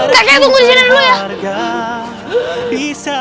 kak tunggu di sini dulu ya